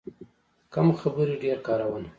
کم خبرې، ډېر کارونه.